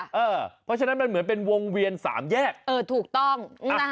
เพราะฉะนั้นมันเหมือนเป็นวงเวียน๓แยกถูกต้อง